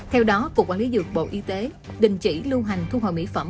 theo đó cục quản lý dược bộ y tế đình chỉ lưu hành thu hồi mỹ phẩm